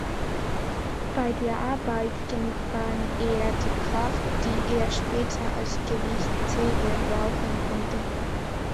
Bei der Arbeit gewann er die Kraft, die er später als Gewichtheber brauchen konnte.